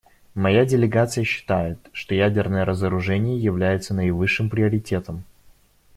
Моя делегация считает, что ядерное разоружение является наивысшим приоритетом.